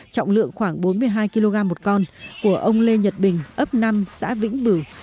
trọng lượng khoảng bốn mươi hai kg một con của ông lê nhật bình ấp năm xã vĩnh bửu